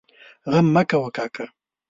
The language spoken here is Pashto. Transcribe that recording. غم مه کوه کاکا!